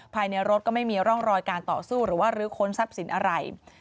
ภายในรถก็ไม่มีร่องรอยการต่อสู้หรือว่ารื้อค้นทรัพย์สินอะไร